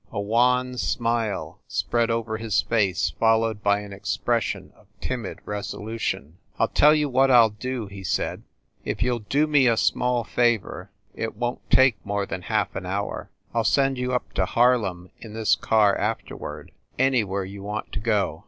A wan smile spread over his face, fol lowed by an expression of timid resolution. "I ll tell you what I ll do," he said. "If you ll do me a small favor it won t take more than half an hour I ll send you up to Harlem in this car after ward anywhere you want to go."